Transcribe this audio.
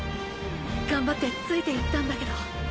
がんばってついていったんだけど。